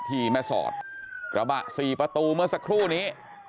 ที่แม่สอดกระบะสี่ประตูเมื่อสักครู่นี้